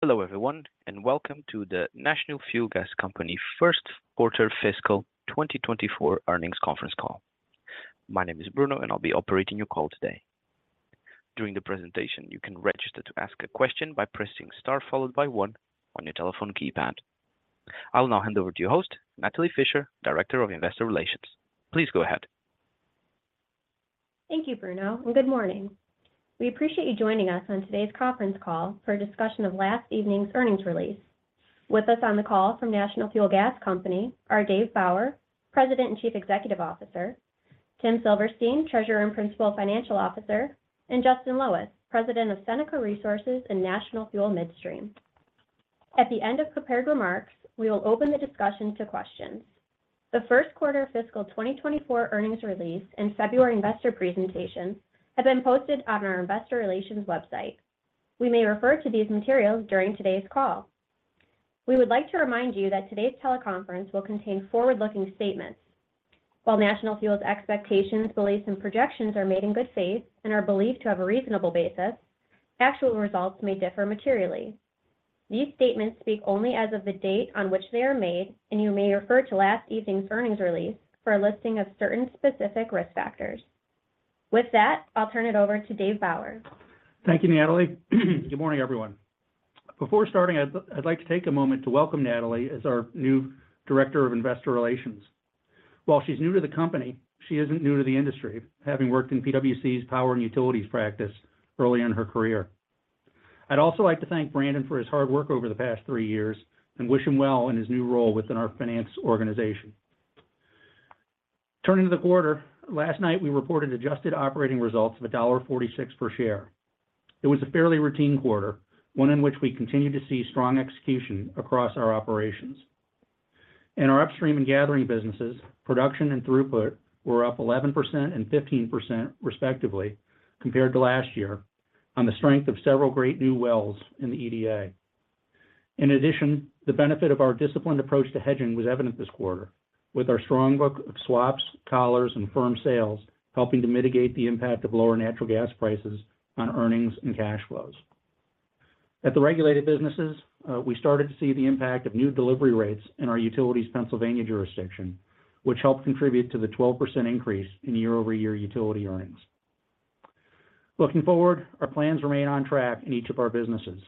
Hello, everyone, and welcome to the National Fuel Gas Company first quarter fiscal 2024 Earnings Conference Call. My name is Bruno, and I'll be operating your call today. During the presentation, you can register to ask a question by pressing star followed by one on your telephone keypad. I'll now hand over to your host, Natalie Fischer, Director of Investor Relations. Please go ahead. Thank you, Bruno, and good morning. We appreciate you joining us on today's conference call for a discussion of last evening's earnings release. With us on the call from National Fuel Gas Company are Dave Bauer, President and Chief Executive Officer, Tim Silverstein, Treasurer and Chief Financial Officer, and Justin Loweth, President of Seneca Resources and National Fuel Midstream. At the end of prepared remarks, we will open the discussion to questions. The first quarter fiscal 2024 earnings release and February investor presentation have been posted on our investor relations website. We may refer to these materials during today's call. We would like to remind you that today's teleconference will contain forward-looking statements. While National Fuel's expectations, beliefs, and projections are made in good faith and are believed to have a reasonable basis, actual results may differ materially. These statements speak only as of the date on which they are made, and you may refer to last evening's earnings release for a listing of certain specific risk factors. With that, I'll turn it over to Dave Bauer. Thank you, Natalie. Good morning, everyone. Before starting, I'd like to take a moment to welcome Natalie as our new Director of Investor Relations. While she's new to the company, she isn't new to the industry, having worked in PwC's Power and Utilities practice early in her career. I'd also like to thank Brandon for his hard work over the past three years and wish him well in his new role within our finance organization. Turning to the quarter, last night, we reported adjusted operating results of $1.46 per share. It was a fairly routine quarter, one in which we continued to see strong execution across our operations. In our upstream and gathering businesses, production and throughput were up 11% and 15%, respectively, compared to last year on the strength of several great new wells in the EDA. In addition, the benefit of our disciplined approach to hedging was evident this quarter, with our strong book of swaps, collars, and firm sales helping to mitigate the impact of lower natural gas prices on earnings and cash flows. At the regulated businesses, we started to see the impact of new delivery rates in our utilities Pennsylvania jurisdiction, which helped contribute to the 12% increase in year-over-year utility earnings. Looking forward, our plans remain on track in each of our businesses.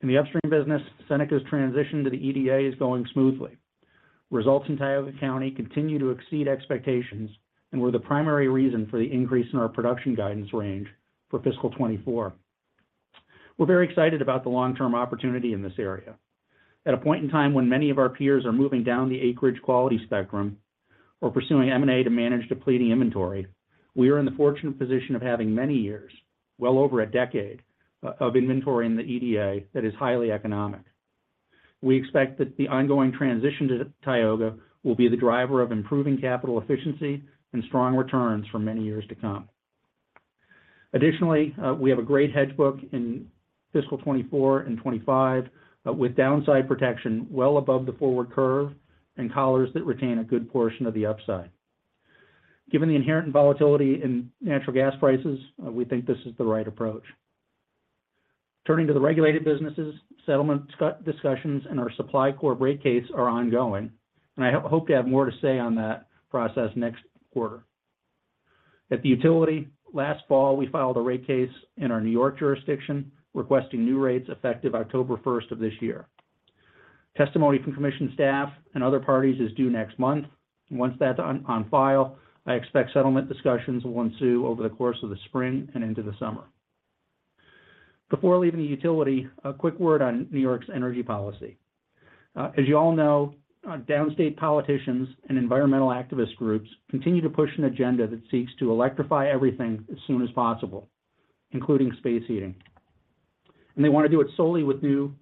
In the upstream business, Seneca's transition to the EDA is going smoothly. Results in Tioga County continue to exceed expectations and were the primary reason for the increase in our production guidance range for fiscal 2024. We're very excited about the long-term opportunity in this area. At a point in time when many of our peers are moving down the acreage quality spectrum or pursuing M&A to manage depleting inventory, we are in the fortunate position of having many years, well over a decade, of inventory in the EDA that is highly economic. We expect that the ongoing transition to Tioga will be the driver of improving capital efficiency and strong returns for many years to come. Additionally, we have a great hedge book in fiscal 2024 and 2025, with downside protection well above the forward curve and collars that retain a good portion of the upside. Given the inherent volatility in natural gas prices, we think this is the right approach. Turning to the regulated businesses, settlement discussions and our Supply Corp rate case are ongoing, and I hope to have more to say on that process next quarter. At the utility, last fall, we filed a rate case in our New York jurisdiction, requesting new rates effective October first of this year. Testimony from commission staff and other parties is due next month. Once that's on file, I expect settlement discussions will ensue over the course of the spring and into the summer. Before leaving the utility, a quick word on New York's energy policy. As you all know, downstate politicians and environmental activist groups continue to push an agenda that seeks to electrify everything as soon as possible, including space heating. And they want to do it solely with new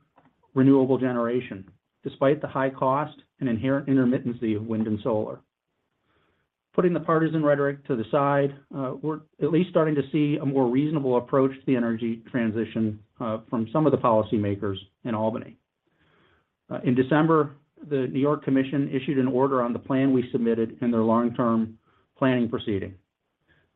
renewable generation, despite the high cost and inherent intermittency of wind and solar. Putting the partisan rhetoric to the side, we're at least starting to see a more reasonable approach to the energy transition, from some of the policymakers in Albany. In December, the New York Commission issued an order on the plan we submitted in their long-term planning proceeding.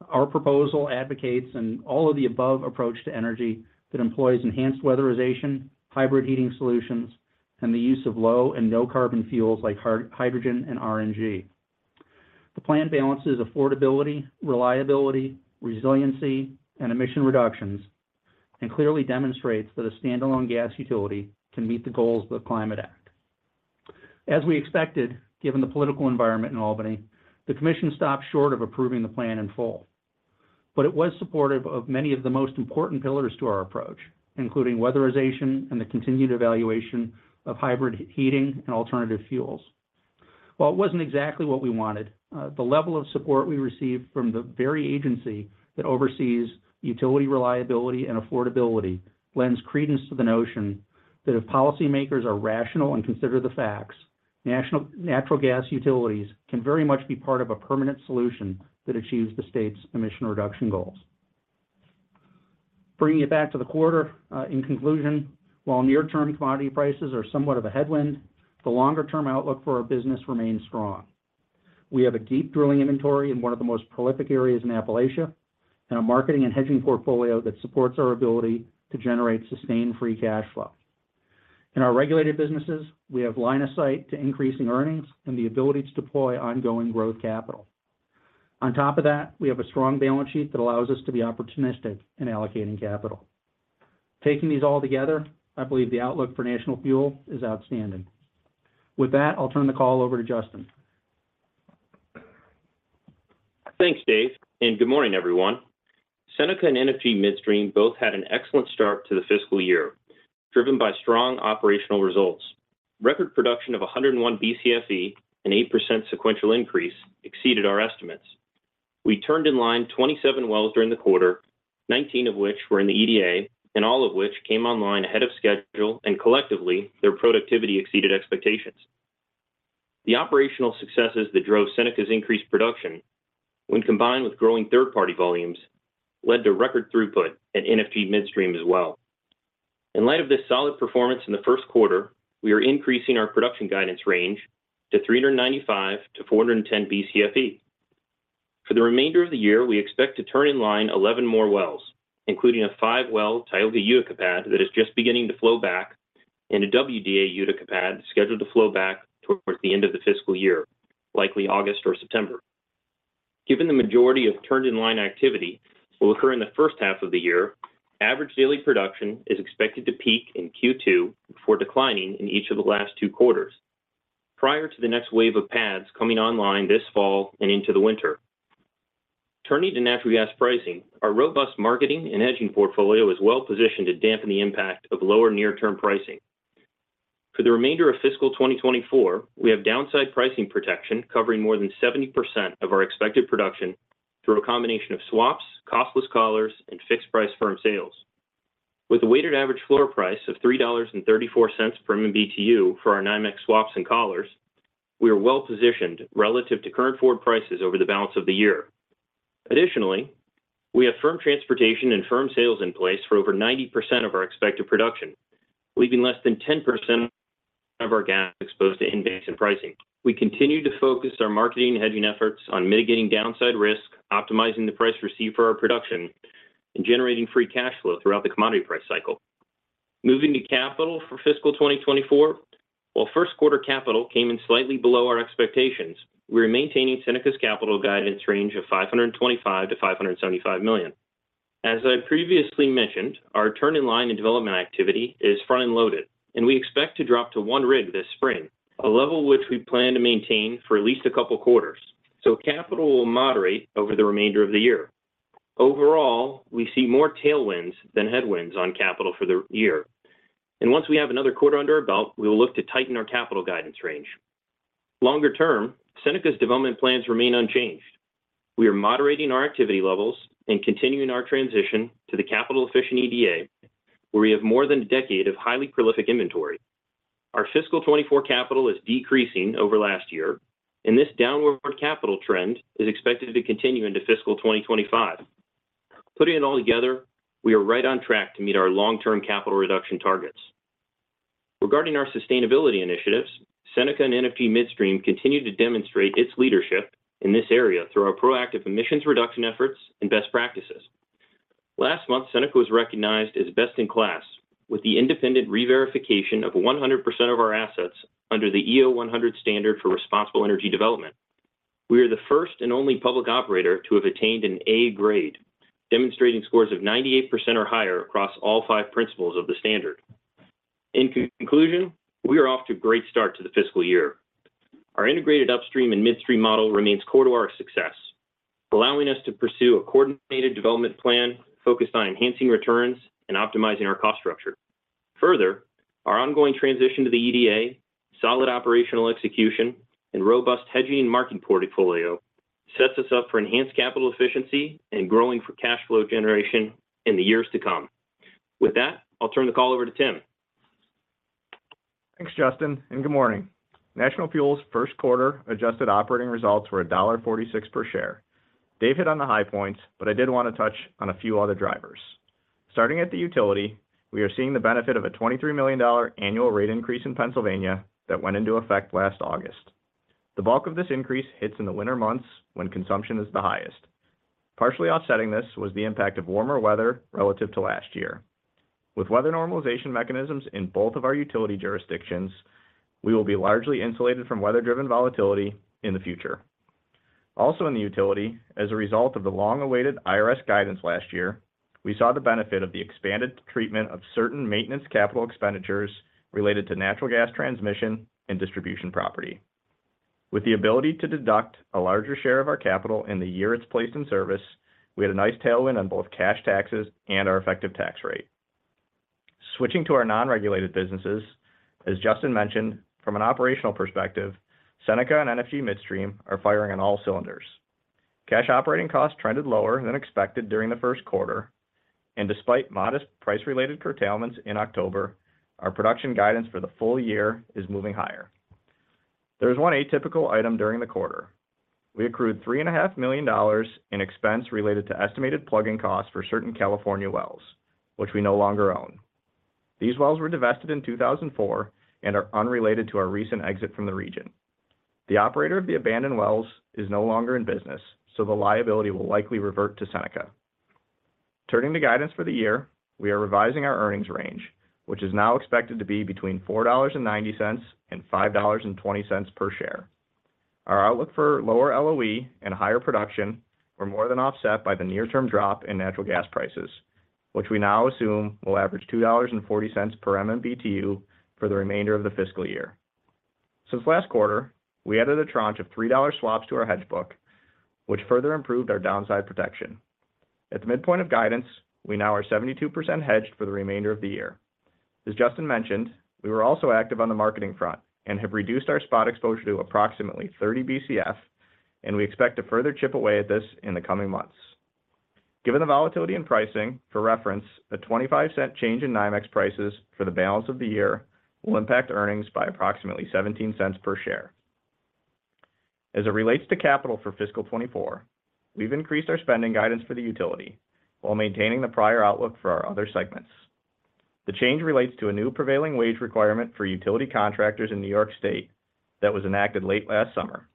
Our proposal advocates an all-of-the-above approach to energy that employs enhanced weatherization, hybrid heating solutions, and the use of low- and no-carbon fuels like hydrogen and RNG. The plan balances affordability, reliability, resiliency, and emission reductions, and clearly demonstrates that a standalone gas utility can meet the goals of the Climate Act. As we expected, given the political environment in Albany, the commission stopped short of approving the plan in full, but it was supportive of many of the most important pillars to our approach, including weatherization and the continued evaluation of hybrid heating and alternative fuels. While it wasn't exactly what we wanted, the level of support we received from the very agency that oversees utility reliability and affordability lends credence to the notion that if policymakers are rational and consider the facts, national natural gas utilities can very much be part of a permanent solution that achieves the state's emission reduction goals. Bringing it back to the quarter, in conclusion, while near-term commodity prices are somewhat of a headwind, the longer-term outlook for our business remains strong. We have a deep drilling inventory in one of the most prolific areas in Appalachia, and a marketing and hedging portfolio that supports our ability to generate sustained free cash flow. In our regulated businesses, we have line of sight to increasing earnings and the ability to deploy ongoing growth capital. On top of that, we have a strong balance sheet that allows us to be opportunistic in allocating capital. Taking these all together, I believe the outlook for National Fuel is outstanding. With that, I'll turn the call over to Justin. Thanks, Dave, and good morning, everyone. Seneca and NFG Midstream both had an excellent start to the fiscal year, driven by strong operational results. Record production of 101 Bcfe, an 8% sequential increase, exceeded our estimates. We turned in line 27 wells during the quarter, 19 of which were in the EDA, and all of which came online ahead of schedule, and collectively, their productivity exceeded expectations. The operational successes that drove Seneca's increased production, when combined with growing third-party volumes, led to record throughput at NFG Midstream as well. In light of this solid performance in the first quarter, we are increasing our production guidance range to 395-410 Bcfe. For the remainder of the year, we expect to turn in line 11 more wells, including a 5-well Tioga Utica pad that is just beginning to flow back, and a WDA Utica pad scheduled to flow back towards the end of the fiscal year, likely August or September. Given the majority of turned-in-line activity will occur in the first half of the year, average daily production is expected to peak in Q2 before declining in each of the last two quarters, prior to the next wave of pads coming online this fall and into the winter. Turning to natural gas pricing, our robust marketing and hedging portfolio is well positioned to dampen the impact of lower near-term pricing. For the remainder of fiscal 2024, we have downside pricing protection covering more than 70% of our expected production through a combination of swaps, costless collars, and fixed price firm sales. With a weighted average floor price of $3.34 per MMBtu for our NYMEX swaps and collars, we are well-positioned relative to current forward prices over the balance of the year. Additionally, we have firm transportation and firm sales in place for over 90% of our expected production, leaving less than 10% of our gas exposed to index and pricing. We continue to focus our marketing and hedging efforts on mitigating downside risk, optimizing the price received for our production, and generating free cash flow throughout the commodity price cycle. Moving to capital for fiscal 2024, while first quarter capital came in slightly below our expectations, we are maintaining Seneca's capital guidance range of $525 million to $575 million. As I previously mentioned, our turn-in-line and development activity is front-end loaded, and we expect to drop to one rig this spring, a level which we plan to maintain for at least a couple of quarters, so capital will moderate over the remainder of the year. Overall, we see more tailwinds than headwinds on capital for the year, and once we have another quarter under our belt, we will look to tighten our capital guidance range. Longer term, Seneca's development plans remain unchanged. We are moderating our activity levels and continuing our transition to the capital-efficient EDA, where we have more than a decade of highly prolific inventory. Our fiscal 2024 capital is decreasing over last year, and this downward capital trend is expected to continue into fiscal 2025. Putting it all together, we are right on track to meet our long-term capital reduction targets. Regarding our sustainability initiatives, Seneca and NFG Midstream continue to demonstrate its leadership in this area through our proactive emissions reduction efforts and best practices. Last month, Seneca was recognized as best-in-class with the independent reverification of 100% of our assets under the EO100 Standard for Responsible Energy Development. We are the first and only public operator to have attained an A grade, demonstrating scores of 98% or higher across all five principles of the standard. In conclusion, we are off to a great start to the fiscal year. Our integrated upstream and midstream model remains core to our success, allowing us to pursue a coordinated development plan focused on enhancing returns and optimizing our cost structure. Further, our ongoing transition to the EDA, solid operational execution, and robust hedging and marketing portfolio sets us up for enhanced capital efficiency and growing for cash flow generation in the years to come. With that, I'll turn the call over to Tim. Thanks, Justin, and good morning. National Fuel's first quarter adjusted operating results were $1.46 per share. Dave hit on the high points, but I did want to touch on a few other drivers. Starting at the utility, we are seeing the benefit of a $23 million annual rate increase in Pennsylvania that went into effect last August. The bulk of this increase hits in the winter months when consumption is the highest. Partially offsetting this was the impact of warmer weather relative to last year. With weather normalization mechanisms in both of our utility jurisdictions, we will be largely insulated from weather-driven volatility in the future. Also in the utility, as a result of the long-awaited IRS guidance last year, we saw the benefit of the expanded treatment of certain maintenance capital expenditures related to natural gas transmission and distribution property. With the ability to deduct a larger share of our capital in the year it's placed in service, we had a nice tailwind on both cash taxes and our effective tax rate. Switching to our non-regulated businesses, as Justin mentioned, from an operational perspective, Seneca and NFG Midstream are firing on all cylinders. Cash operating costs trended lower than expected during the first quarter, and despite modest price-related curtailments in October, our production guidance for the full year is moving higher. There was one atypical item during the quarter. We accrued $3.5 million in expense related to estimated plugging costs for certain California wells, which we no longer own. These wells were divested in 2004 and are unrelated to our recent exit from the region. The operator of the abandoned wells is no longer in business, so the liability will likely revert to Seneca. Turning to guidance for the year, we are revising our earnings range, which is now expected to be between $4.90 and $5.20 per share. Our outlook for lower LOE and higher production were more than offset by the near-term drop in natural gas prices, which we now assume will average $2.40 per MMBtu for the remainder of the fiscal year. Since last quarter, we added a tranche of $3 swaps to our hedge book, which further improved our downside protection. At the midpoint of guidance, we now are 72% hedged for the remainder of the year. As Justin mentioned, we were also active on the marketing front and have reduced our spot exposure to approximately 30 BCF, and we expect to further chip away at this in the coming months. Given the volatility in pricing, for reference, a $0.25 change in NYMEX prices for the balance of the year will impact earnings by approximately $0.17 per share. As it relates to capital for fiscal 2024, we've increased our spending guidance for the utility while maintaining the prior outlook for our other segments. The change relates to a new prevailing wage requirement for utility contractors in New York State that was enacted late last summer.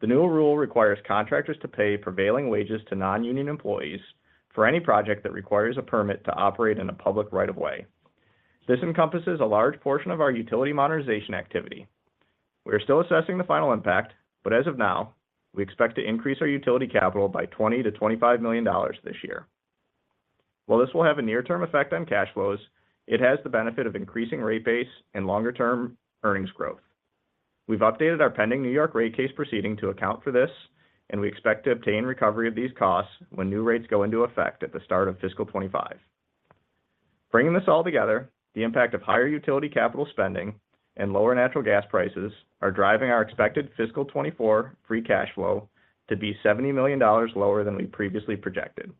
The new rule requires contractors to pay prevailing wages to non-union employees for any project that requires a permit to operate in a public right of way. This encompasses a large portion of our utility modernization activity. We are still assessing the final impact, but as of now, we expect to increase our utility capital by $20 million to $25 million this year. While this will have a near-term effect on cash flows, it has the benefit of increasing rate base and longer-term earnings growth. We've updated our pending New York rate case proceeding to account for this, and we expect to obtain recovery of these costs when new rates go into effect at the start of fiscal 2025. Bringing this all together, the impact of higher utility capital spending and lower natural gas prices are driving our expected fiscal 2024 free cash flow to be $70 million lower than we previously projected.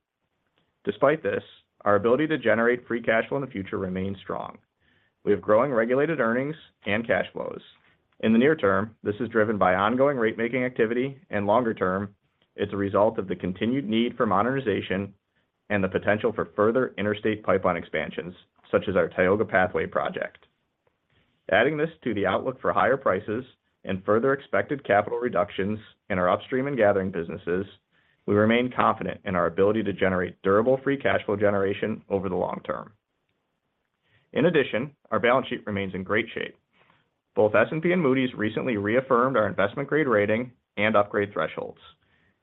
Despite this, our ability to generate free cash flow in the future remains strong. We have growing regulated earnings and cash flows. In the near term, this is driven by ongoing rate-making activity, and longer term, it's a result of the continued need for modernization and the potential for further interstate pipeline expansions, such as our Tioga Pathway project. Adding this to the outlook for higher prices and further expected capital reductions in our upstream and gathering businesses, we remain confident in our ability to generate durable free cash flow generation over the long term. In addition, our balance sheet remains in great shape. Both S&P and Moody's recently reaffirmed our investment-grade rating and upgrade thresholds.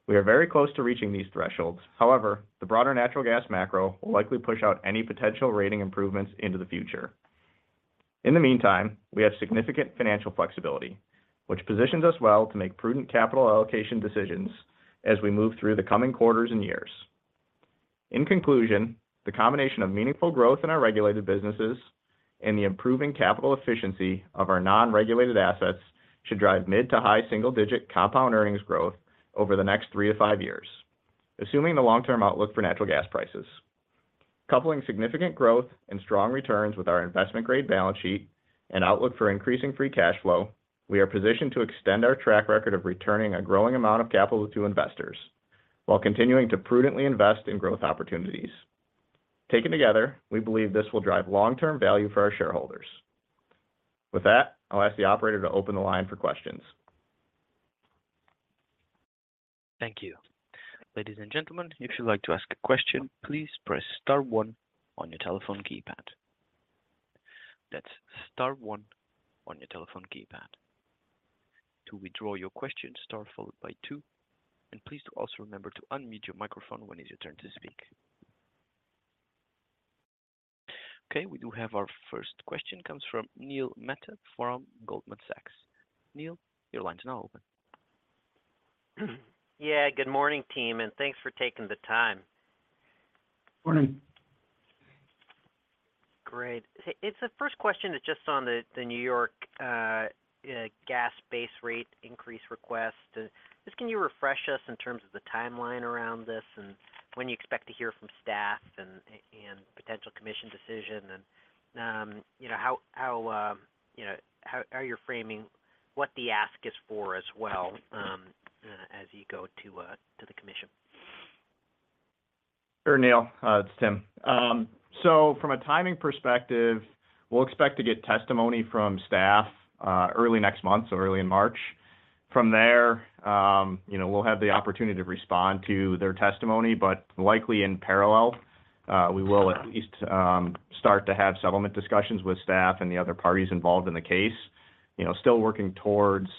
We are very close to reaching these thresholds. However, the broader natural gas macro will likely push out any potential rating improvements into the future. In the meantime, we have significant financial flexibility, which positions us well to make prudent capital allocation decisions as we move through the coming quarters and years. In conclusion, the combination of meaningful growth in our regulated businesses and the improving capital efficiency of our non-regulated assets should drive mid- to high single-digit compound earnings growth over the next three to five years, assuming the long-term outlook for natural gas prices. Coupling significant growth and strong returns with our investment-grade balance sheet and outlook for increasing free cash flow, we are positioned to extend our track record of returning a growing amount of capital to investors while continuing to prudently invest in growth opportunities. Taken together, we believe this will drive long-term value for our shareholders. With that, I'll ask the operator to open the line for questions. Thank you. Ladies and gentlemen, if you'd like to ask a question, please press star one on your telephone keypad. That's star one on your telephone keypad. To withdraw your question, star followed by two, and please also remember to unmute your microphone when it's your turn to speak. Okay, we do have our first question, comes from Neil Mehta from Goldman Sachs. Neil, your line is now open. Yeah, good morning, team, and thanks for taking the time. Morning. Great. So it's the first question is just on the New York gas base rate increase request. Just can you refresh us in terms of the timeline around this and when you expect to hear from staff and potential commission decision? And, you know, how are you framing what the ask is for as well, as you go to the commission? Sure, Neil, it's Tim. So from a timing perspective, we'll expect to get testimony from staff, early next month, so early in March. From there, you know, we'll have the opportunity to respond to their testimony, but likely in parallel, we will at least start to have settlement discussions with staff and the other parties involved in the case. You know, still working towards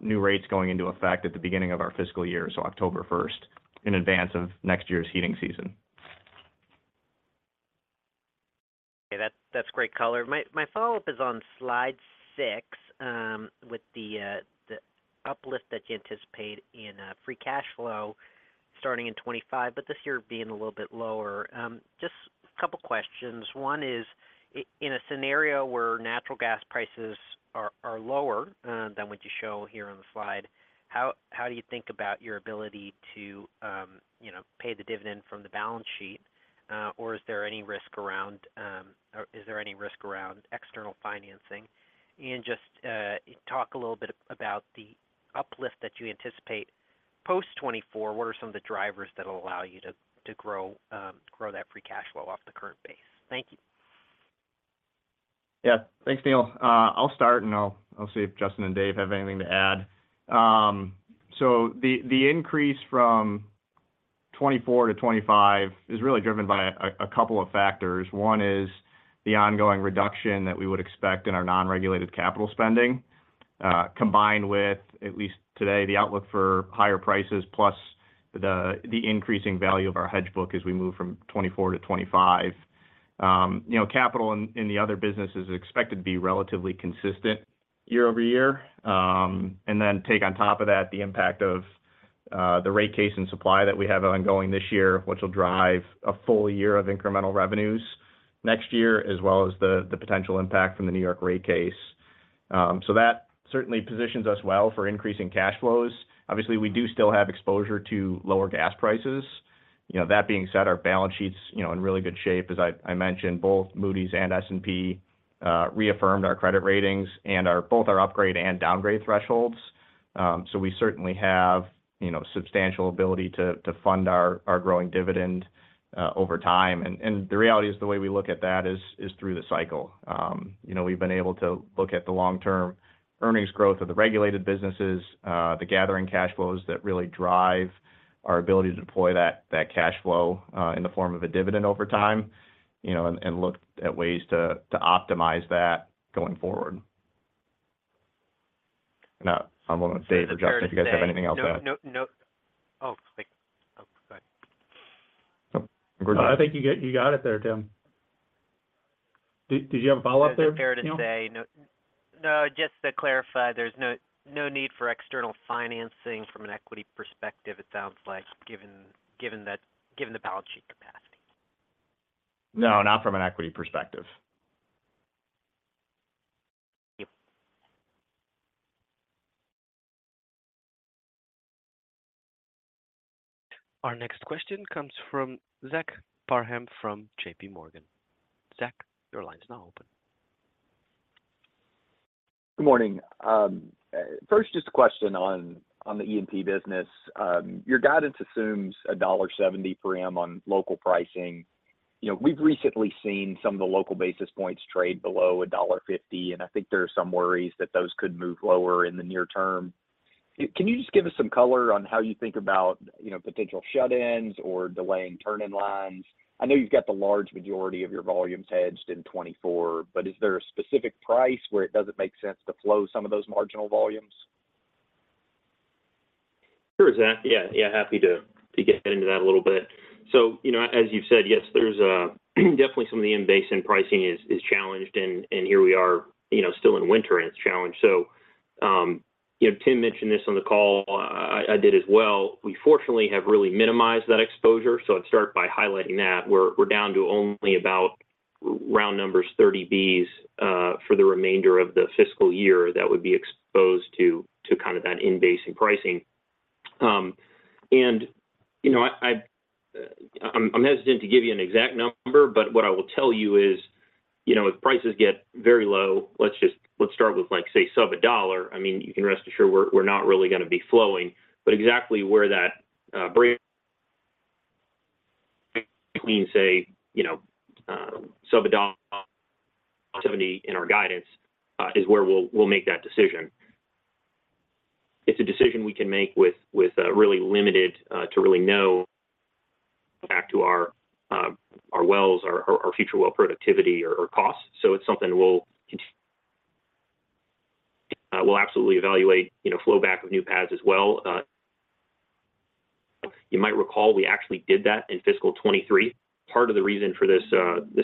new rates going into effect at the beginning of our fiscal year, so October first, in advance of next year's heating season. Okay, that's great color. My follow-up is on slide 6, with the uplift that you anticipate in free cash flow starting in 25, but this year being a little bit lower. Just a couple questions. One is, in a scenario where natural gas prices are lower than what you show here on the slide, how do you think about your ability to, you know, pay the dividend from the balance sheet? Or is there any risk around... or is there any risk around external financing? And just talk a little bit about the uplift that you anticipate post 2024, what are some of the drivers that will allow you to grow that free cash flow off the current base? Thank you. Yeah. Thanks, Neil. I'll start, and I'll see if Justin and Dave have anything to add. So the increase from 2024 to 2025 is really driven by a couple of factors. One is the ongoing reduction that we would expect in our non-regulated capital spending, combined with, at least today, the outlook for higher prices, plus the increasing value of our hedge book as we move from 2024 to 2025. You know, capital in the other business is expected to be relatively consistent year over year. And then take on top of that, the impact of the rate case and supply that we have ongoing this year, which will drive a full year of incremental revenues next year, as well as the potential impact from the New York rate case. So that certainly positions us well for increasing cash flows. Obviously, we do still have exposure to lower gas prices. You know, that being said, our balance sheet's, you know, in really good shape. As I mentioned, both Moody's and S&P reaffirmed our credit ratings and both our upgrade and downgrade thresholds. So we certainly have, you know, substantial ability to fund our growing dividend over time. The reality is, the way we look at that is through the cycle. You know, we've been able to look at the long-term earnings growth of the regulated businesses, the gathering cash flows that really drive our ability to deploy that cash flow in the form of a dividend over time, you know, and look at ways to optimize that going forward. Now, I'm going to Dave or Justin, if you guys have anything else to add. No, no, no. Oh, thank you. Oh, go ahead. I think you got it there, Tim. Did you have a follow-up there, Neil? Is it fair to say no, just to clarify, there's no need for external financing from an equity perspective, it sounds like, given the balance sheet capacity? No, not from an equity perspective. Thank you. Our next question comes from Zach Parham, from JP Morgan. Zach, your line is now open. Good morning. First, just a question on, on the E&P business. Your guidance assumes $1.70 per m on local pricing. You know, we've recently seen some of the local basis points trade below $1.50, and I think there are some worries that those could move lower in the near term. Can you just give us some color on how you think about, you know, potential shut-ins or delaying turn-in lines? I know you've got the large majority of your volumes hedged in 2024, but is there a specific price where it doesn't make sense to flow some of those marginal volumes? Sure, Zach. Yeah, yeah, happy to get into that a little bit. So, you know, as you've said, yes, there's definitely some of the in-basin pricing is challenged, and here we are, you know, still in winter, and it's challenged. So, you know, Tim mentioned this on the call. I did as well. We fortunately have really minimized that exposure, so I'd start by highlighting that. We're down to only about round numbers, 30 B's, for the remainder of the fiscal year that would be exposed to kind of that in-basin pricing. And, you know, I'm hesitant to give you an exact number, but what I will tell you is, you know, if prices get very low, let's just—let's start with, like, say, sub-$1. I mean, you can rest assured we're not really gonna be flowing, but exactly where that break between, say, you know, sub $1.70 in our guidance is where we'll make that decision. It's a decision we can make with really limited to really no impact to our wells, our future well productivity or costs. So it's something we'll absolutely evaluate, you know, flow back of new pads as well. You might recall, we actually did that in fiscal 2023. Part of the reason for this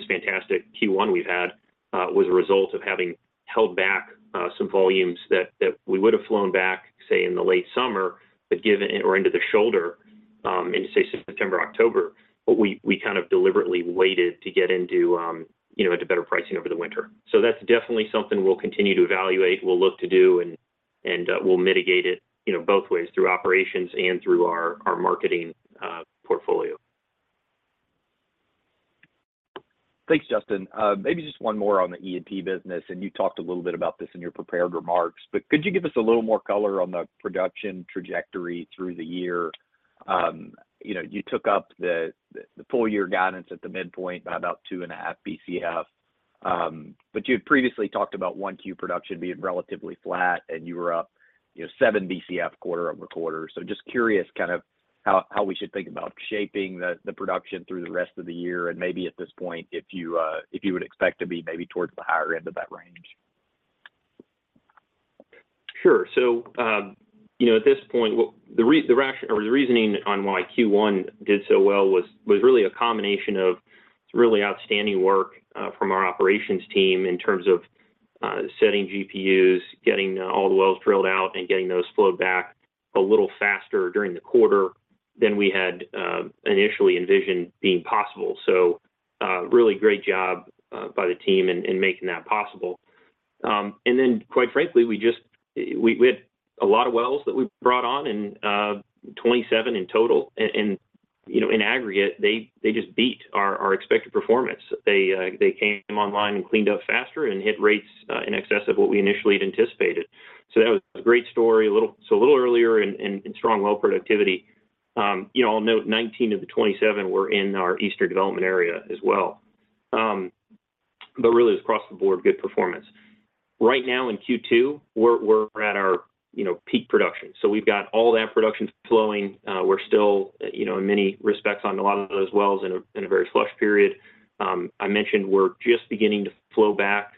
fantastic Q1 we've had was a result of having held back some volumes that we would have flown back, say, in the late summer, but going into the shoulder in, say, September, October. But we kind of deliberately waited to get into, you know, into better pricing over the winter. So that's definitely something we'll continue to evaluate, we'll look to do, and we'll mitigate it, you know, both ways, through operations and through our marketing portfolio. Thanks, Justin. Maybe just one more on the E&P business, and you talked a little bit about this in your prepared remarks, but could you give us a little more color on the production trajectory through the year? You know, you took up the full year guidance at the midpoint by about 2.5 Bcf. But you had previously talked about 1Q production being relatively flat, and you were up, you know, 7 Bcf quarter-over-quarter. So just curious, kind of, how we should think about shaping the production through the rest of the year, and maybe at this point, if you would expect to be maybe towards the higher end of that range. Sure. So, you know, at this point, the reason or the reasoning on why Q1 did so well was really a combination of really outstanding work from our operations team in terms of setting GPUs, getting all the wells drilled out, and getting those flowed back a little faster during the quarter than we had initially envisioned being possible. So, really great job by the team in making that possible. And then, quite frankly, we just had a lot of wells that we brought on, 27 in total, and, you know, in aggregate, they just beat our expected performance. They came online and cleaned up faster and hit rates in excess of what we initially had anticipated. So that was a great story. A little, so a little earlier in strong well productivity. You know, I'll note 19 of the 27 were in our Eastern Development Area as well. But really across the board, good performance. Right now in Q2, we're at our, you know, peak production. So we've got all that production flowing. We're still, you know, in many respects, on a lot of those wells in a very flush period. I mentioned we're just beginning to flow back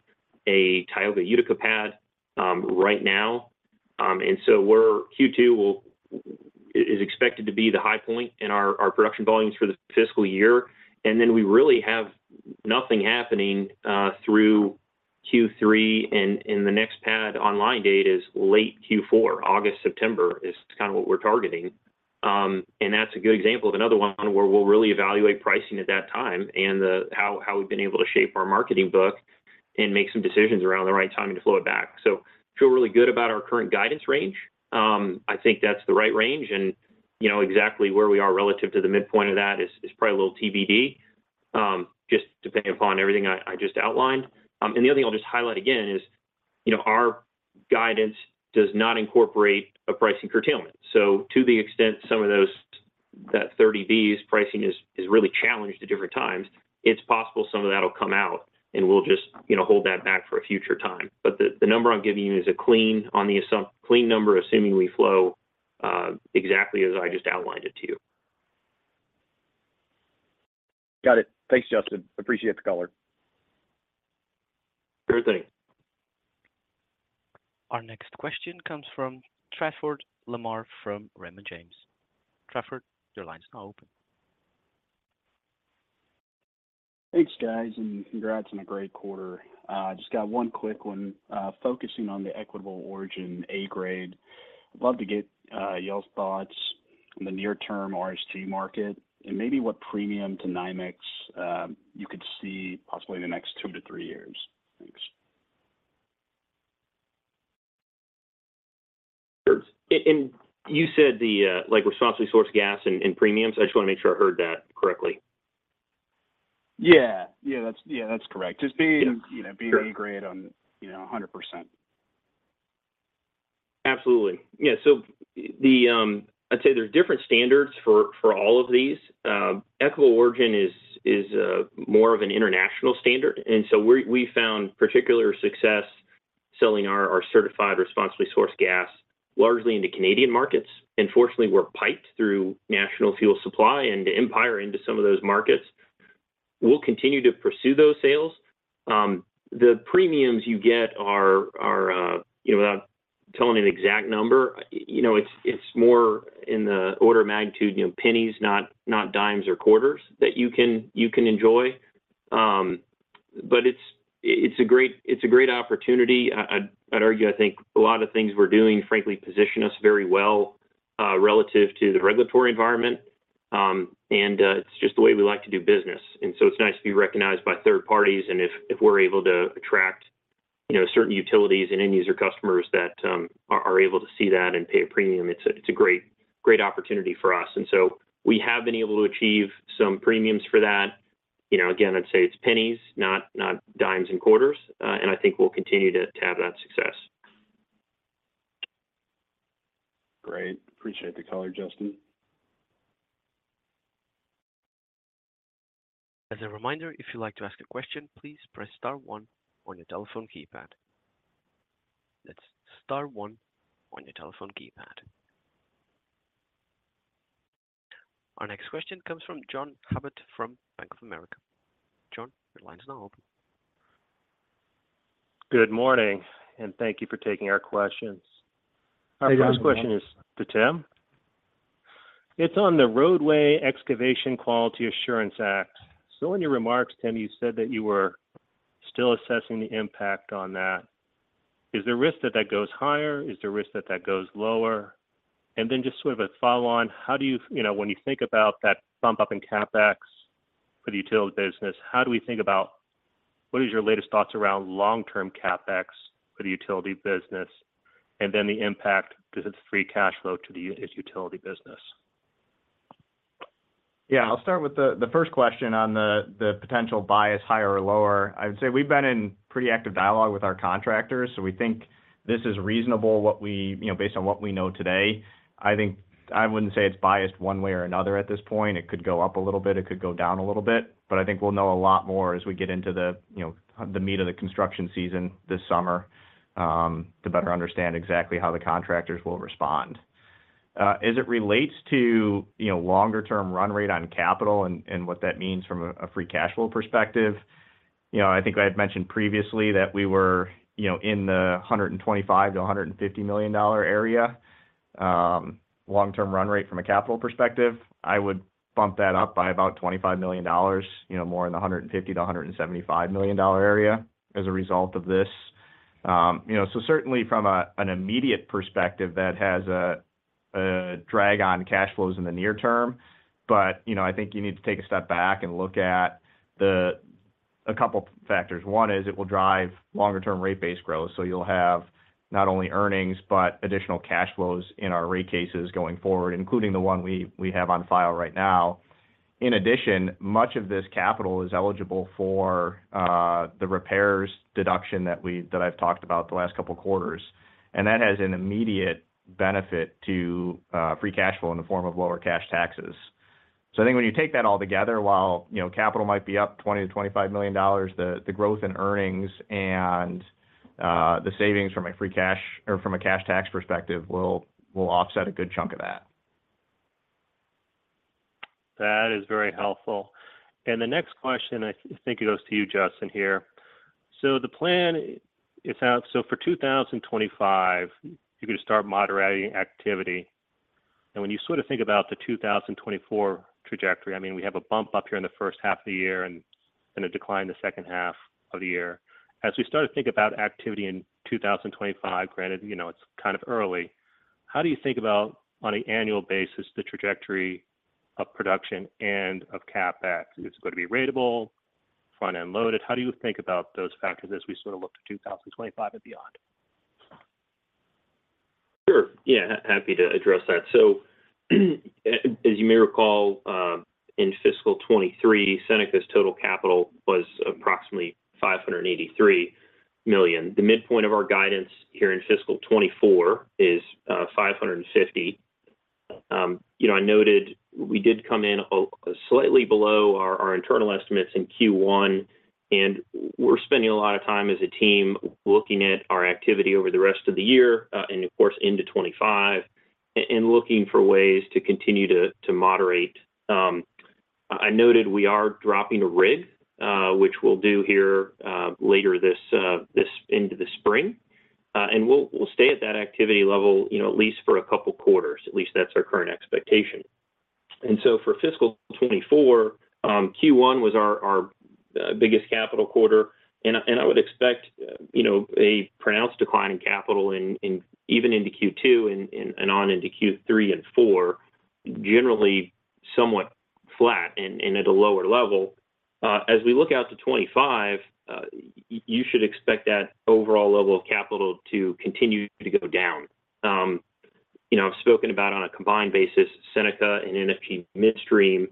a Tioga Utica pad right now. And so Q2 is expected to be the high point in our production volumes for the fiscal year, and then we really have nothing happening through Q3. And the next pad online date is late Q4. August, September is kind of what we're targeting. And that's a good example of another one where we'll really evaluate pricing at that time and then how we've been able to shape our marketing book and make some decisions around the right timing to flow it back. So feel really good about our current guidance range. I think that's the right range, and you know, exactly where we are relative to the midpoint of that is probably a little TBD, just depending upon everything I just outlined. And the other thing I'll just highlight again is, you know, our guidance does not incorporate a pricing curtailment. So to the extent some of those that 30 Bs pricing is really challenged at different times, it's possible some of that will come out, and we'll just, you know, hold that back for a future time. But the number I'm giving you is a clean number on the assumption, assuming we flow exactly as I just outlined it to you. Got it. Thanks, Justin. Appreciate the color. Sure thing. Our next question comes from Trafford Lamar, from Raymond James. Trafford, your line is now open. Thanks, guys, and congrats on a great quarter. I just got one quick one. Focusing on the Equitable Origin A grade, I'd love to get your thoughts on the near-term RSG market and maybe what premium to NYMEX you could see possibly in the next 2-3 years. Thanks. Sure. And you said the, like responsibly sourced gas and premiums? I just want to make sure I heard that correctly. Yeah. Yeah, that's correct. Just being, Yeah. You know, being A grade on, you know, 100%. Absolutely. Yeah. So the, I'd say there are different standards for all of these. Equitable Origin is more of an international standard, and so we found particular success selling our certified responsibly sourced gas largely in the Canadian markets. And fortunately, we're piped through National Fuel Supply and to Empire into some of those markets. We'll continue to pursue those sales. The premiums you get are, you know, without telling you the exact number, you know, it's more in the order of magnitude, you know, pennies, not dimes or quarters that you can enjoy. But it's a great opportunity. I'd argue, I think a lot of things we're doing, frankly, position us very well relative to the regulatory environment. It's just the way we like to do business. So it's nice to be recognized by third parties, and if we're able to attract, you know, certain utilities and end user customers that are able to see that and pay a premium, it's a great, great opportunity for us. So we have been able to achieve some premiums for that. You know, again, I'd say it's pennies, not dimes and quarters, and I think we'll continue to have that success. Great. Appreciate the color, Justin. As a reminder, if you'd like to ask a question, please press star one on your telephone keypad. That's star one on your telephone keypad. Our next question comes from John Abbott from Bank of America. John, your line is now open. Good morning, and thank you for taking our questions. Hey, John. Our first question is to Tim. It's on the Roadway Excavation Quality Assurance Act. So in your remarks, Tim, you said that you were still assessing the impact on that. Is there risk that that goes higher? Is there risk that that goes lower? And then just sort of a follow-on, how do you... You know, when you think about that bump up in CapEx for the utility business, how do we think about what is your latest thoughts around long-term CapEx for the utility business and then the impact to the free cash flow to this utility business? Yeah, I'll start with the first question on the potential bias, higher or lower. I would say we've been in pretty active dialogue with our contractors, so we think this is reasonable. You know, based on what we know today, I think I wouldn't say it's biased one way or another at this point. It could go up a little bit, it could go down a little bit, but I think we'll know a lot more as we get into the, you know, the meat of the construction season this summer, to better understand exactly how the contractors will respond. As it relates to, you know, longer term run rate on capital and, and what that means from a, a free cash flow perspective, you know, I think I had mentioned previously that we were, you know, in the $125 million to $150 million area, long-term run rate from a capital perspective. I would bump that up by about $25 million, you know, more in the $150 million to $175 million area as a result of this. You know, so certainly from a, an immediate perspective, that has a, a drag on cash flows in the near term. But, you know, I think you need to take a step back and look at a couple factors. One is it will drive longer-term rate base growth, so you'll have not only earnings, but additional cash flows in our rate cases going forward, including the one we have on file right now. In addition, much of this capital is eligible for the repairs deduction that I've talked about the last couple quarters, and that has an immediate benefit to free cash flow in the form of lower cash taxes. So I think when you take that all together, while, you know, capital might be up $20-$25 million, the growth in earnings and the savings from a free cash or from a cash tax perspective will offset a good chunk of that. That is very helpful. The next question, I think, it goes to you, Justin, here. The plan is out. For 2025, you're going to start moderating activity, and when you sort of think about the 2024 trajectory, I mean, we have a bump up here in the first half of the year and a decline in the second half of the year. As we start to think about activity in 2025, granted, you know, it's kind of early, how do you think about, on an annual basis, the trajectory of production and of CapEx? Is it going to be ratable, front-end loaded? How do you think about those factors as we sort of look to 2025 and beyond? Sure. Yeah, happy to address that. So, as you may recall, in fiscal 2023, Seneca's total capital was approximately $583 million. The midpoint of our guidance here in fiscal 2024 is $550 million. You know, I noted we did come in slightly below our internal estimates in Q1, and we're spending a lot of time as a team, looking at our activity over the rest of the year, and of course, into 2025, and looking for ways to continue to moderate. I noted we are dropping a rig, which we'll do here later this spring. And we'll stay at that activity level, you know, at least for a couple quarters. At least that's our current expectation. For fiscal 2024, Q1 was our biggest capital quarter, and I would expect, you know, a pronounced decline in capital even into Q2 and on into Q3 and Q4, generally somewhat flat and at a lower level. As we look out to 2025, you should expect that overall level of capital to continue to go down. You know, I've spoken about on a combined basis, Seneca and NFG Midstream,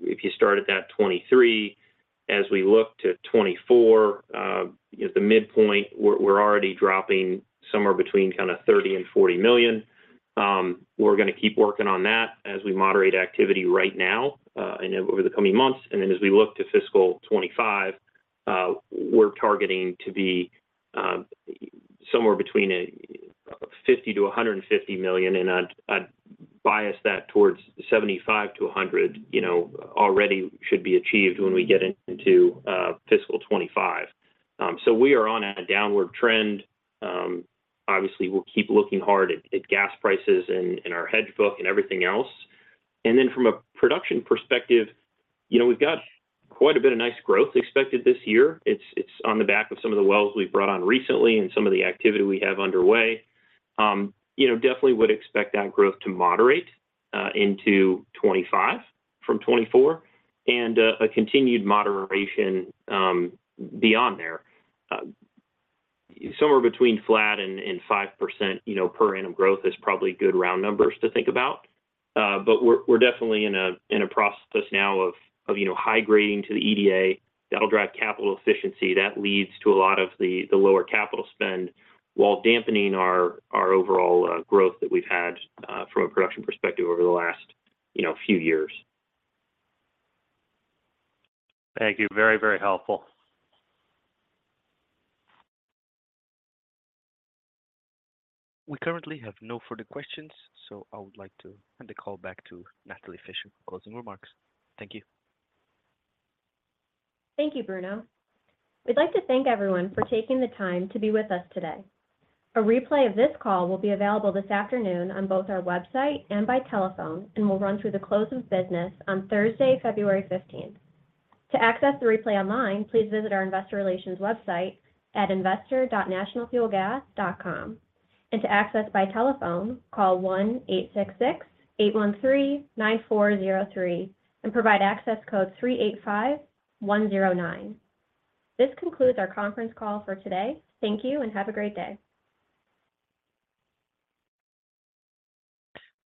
if you start at that 2023, as we look to 2024, you know, the midpoint, we're already dropping somewhere between kind of $30 million and $40 million. We're gonna keep working on that as we moderate activity right now, and then over the coming months. And then as we look to fiscal 2025, we're targeting to be somewhere between $50 million to $150 million, and I'd bias that towards $75 million to $100 million, you know, already should be achieved when we get into fiscal 2025. So we are on a downward trend. Obviously, we'll keep looking hard at gas prices and our hedge book and everything else. And then from a production perspective, you know, we've got quite a bit of nice growth expected this year. It's on the back of some of the wells we've brought on recently and some of the activity we have underway. You know, definitely would expect that growth to moderate into 2025 from 2024, and a continued moderation beyond there. Somewhere between flat and 5%, you know, per annum growth is probably good round numbers to think about, but we're definitely in a process now of, you know, high grading to the EDA that'll drive capital efficiency that leads to a lot of the lower capital spend, while dampening our overall growth that we've had from a production perspective over the last, you know, few years. Thank you. Very, very helpful. We currently have no further questions, so I would like to hand the call back to Natalie Fischer for closing remarks. Thank you. Thank you, Bruno. We'd like to thank everyone for taking the time to be with us today. A replay of this call will be available this afternoon on both our website and by telephone, and will run through the close of business on Thursday, February 15th. To access the replay online, please visit our investor relations website at investor.nationalfuelgas.com, and to access by telephone, call 1-866-813-9403, and provide access code 385109. This concludes our conference call for today. Thank you, and have a great day.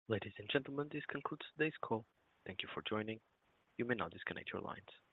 Ladies and gentlemen, this concludes today's call. Thank you for joining. You may now disconnect your lines. Thank you.